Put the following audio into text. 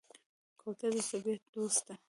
کوتره د طبیعت دوست ده.